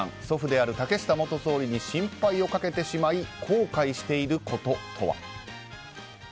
祖父である竹下元総理に心配をかけてしまい後悔していることとは。